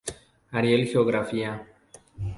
Ariel Geografía.